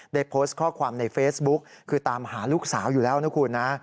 ได้โพสต์ข้อความในเฟซบุ๊กคือตามหาลูกสาวอยู่แล้วนะคุณนะ